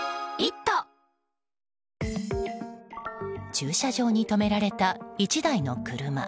駐車場に止められた１台の車。